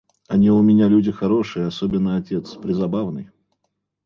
Они у меня люди хорошие, особенно отец: презабавный.